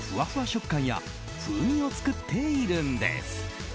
食感や風味を作っているんです。